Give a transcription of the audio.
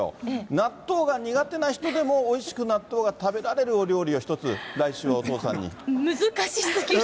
納豆が苦手な人でも、おいしく納豆が食べられるお料理をひとつ、難しすぎる。